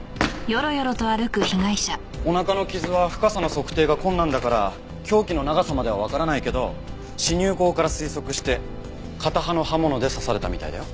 お腹の傷は深さの測定が困難だから凶器の長さまではわからないけど刺入口から推測して片刃の刃物で刺されたみたいだよ。